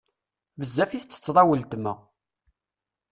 Bezzaf i ttetteḍ a wletma.